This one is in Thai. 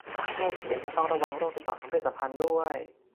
นอกจากนี้ยังต้องระวังโรคติดต่อทางเพศสัมพันธ์ด้วย